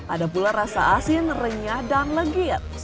ada pula rasa asin renyah dan legit